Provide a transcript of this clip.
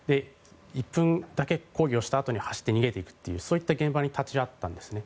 １分だけ抗議をしたあとに走って逃げていくというそういった現場に立ち会ったんですね。